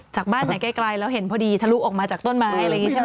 บ้านไหนไกลแล้วเห็นพอดีทะลุออกมาจากต้นไม้อะไรอย่างนี้ใช่ไหม